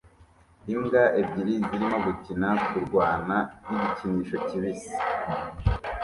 Imbwa ebyiri zirimo gukina-kurwana n igikinisho kibisi